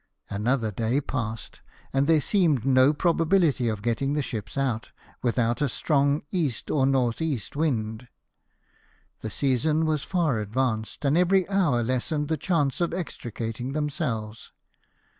Another day passed, and there seemed no probability of getting the ships out, with out a strong E. or N.E. wind. The season was far advanced, and every hour lessened the chance of extricating themselves.